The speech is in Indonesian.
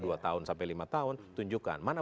dua tahun sampai lima tahun tunjukkan mana